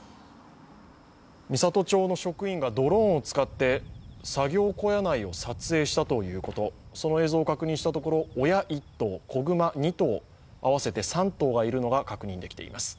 美郷町の職員がドローンを使って作業小屋内を撮影したということでその映像を確認したところ、親１頭、子熊２頭、合わせて３頭がいたということです。